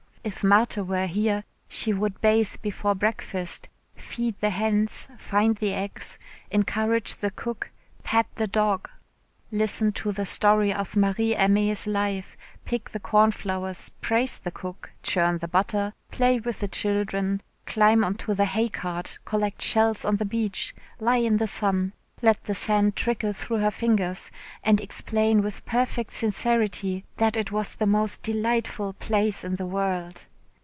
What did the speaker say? If Marthe were here she would bathe before breakfast, feed the hens, find the eggs, encourage the cook, pat the dog, listen to the story of Marie Aimée's life, pick the cornflowers, praise the cook, churn the butter, play with the children, climb on to the hay cart, collect shells on the beach, lie in the sun, let the sand trickle through her fingers and explain with perfect sincerity that it was the most delightful place in the world.